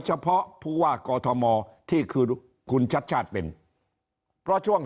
เฉพาะผู้ว่ากอทมที่คือคุณชัดชาติเป็นเพราะช่วง